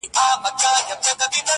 • مُلا ډوب سو په سبا یې جنازه سوه -